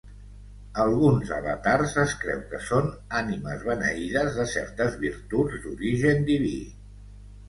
Alguns avatars es creu que són ànimes beneïdes de certes virtuts d'origen diví.